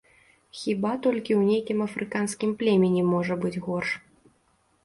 Хіба толькі ў нейкім афрыканскім племені можа быць горш.